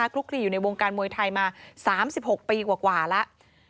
คลุกคลีอยู่ในวงการมวยไทยมา๓๖ปีกว่าแล้ว